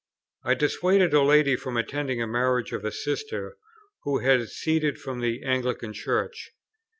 I dissuaded a lady from attending the marriage of a sister who had seceded from the Anglican Church.